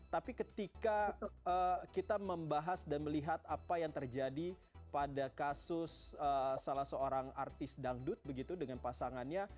tapi ketika kita membahas dan melihat apa yang terjadi pada kasus salah seorang artis dangdut begitu dengan pasangannya